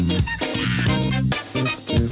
ไม่กว่าเดิม